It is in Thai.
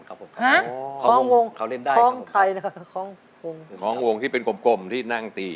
ฮะคล้องวงที่เป็นกลมที่นั่งตีครับเป็นคล้องวงที่เป็นกลมที่เป็นกลมที่นั่งตี